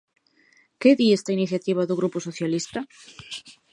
¿Que di esta iniciativa do Grupo Socialista?